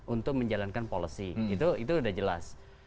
untuk menjalankan policy itu sudah jelas